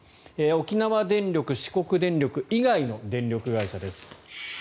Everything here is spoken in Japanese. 沖縄電力、四国電力以外の電力会社です。